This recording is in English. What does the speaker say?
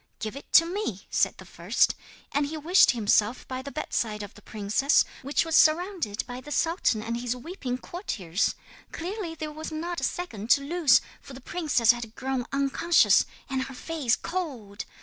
'"Give it to me," said the first. And he wished himself by the bedside of the princess, which was surrounded by the sultan and his weeping courtiers. Clearly there was not a second to lose, for the princess had grown unconscious, and her face cold.